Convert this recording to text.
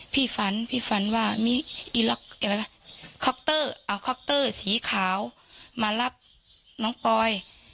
พี่ฝันพี่ฝันว่ามีคอปเตอร์เอาคอปเตอร์สีขาวมารับน้องปอย